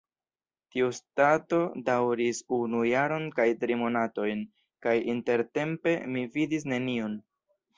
Tiustato daŭris unu jaron kaj tri monatojn, kaj intertempe mi vidis neniun.